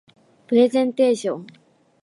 プレゼンテーション